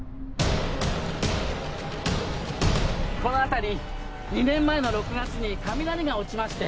この辺り２年前の６月に雷が落ちまして。